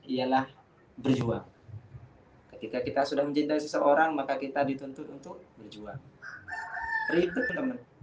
ialah berjuang ketika kita sudah mencintai seseorang maka kita dituntut untuk berjuang reprovement